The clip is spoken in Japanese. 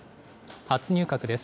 初入閣です。